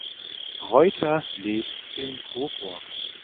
Reuther lebt in Coburg.